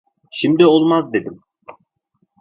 Şimdi olmaz dedim.